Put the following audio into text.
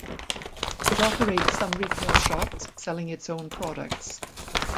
It operates some retail shops selling its own products.